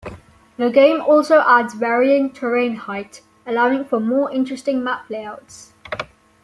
The game also adds varying terrain height, allowing for more interesting map layouts.